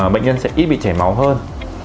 bệnh nhân sẽ ít bị chảy máu hơn